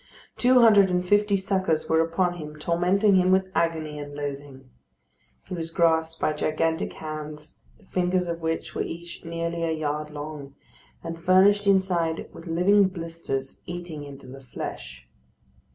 Two hundred and fifty suckers were upon him, tormenting him with agony and loathing. He was grasped by gigantic hands, the fingers of which were each nearly a yard long, and furnished inside with living blisters eating into the flesh.